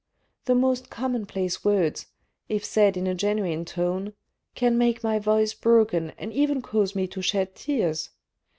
The most commonplace words, if said in a genuine tone, can make my voice broken and even cause me to shed tears.